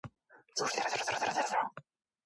최고에 도달하려면 최저에서 시작하라.